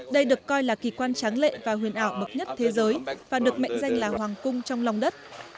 đây được coi là kỳ quan tráng lệ và huyền ảo bậc nhất thế giới và được mệnh danh là hoàng cung trong lòng đất